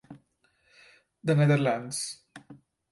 The Netherlands.